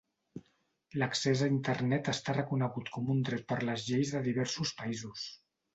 L'accés a Internet està reconegut com un dret per les lleis de diversos països.